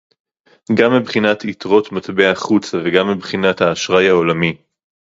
גם מבחינת יתרות מטבע-חוץ וגם מבחינת האשראי העולמי